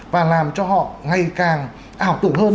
và làm cho họ ngày càng ảo tưởng hơn